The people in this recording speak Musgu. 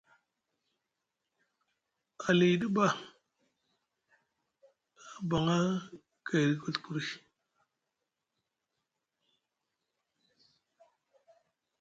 Aliɗi ɓa abaŋa gayɗi kuɵkuri.